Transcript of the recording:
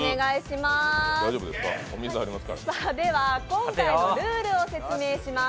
では、今回のルールを説明します。